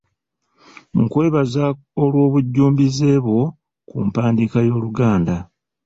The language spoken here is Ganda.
Nkwebaza olw'obujjumbize bwo ku mpandiika y'Oluganda.